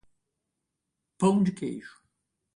Pão de queijo